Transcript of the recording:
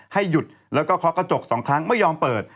ให้หยุดแล้วก็เคาะกระจกสองครั้งไม่ยอมเปิด